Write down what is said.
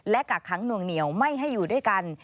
และกักขังหน่วงเหนียวไม่ให้อยู่ด้วยกัน